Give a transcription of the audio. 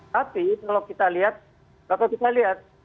tapi kalau kita lihat